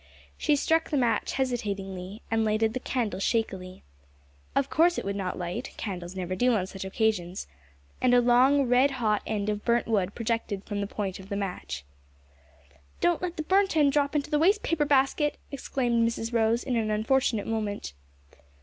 She struck the match hesitatingly, and lighted the candle shakily. Of course it would not light (candles never do on such occasions), and a long red hot end of burnt wood projected from the point of the match. "Don't let the burnt end drop into the wastepaper basket!" exclaimed Mrs Rose, in an unfortunate moment.